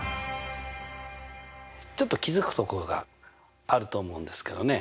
ちょっと気付くところがあると思うんですけどね。